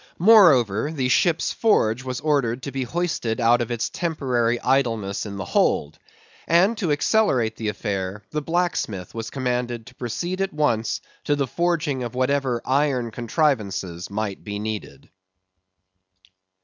Moreover, the ship's forge was ordered to be hoisted out of its temporary idleness in the hold; and, to accelerate the affair, the blacksmith was commanded to proceed at once to the forging of whatever iron contrivances might be needed.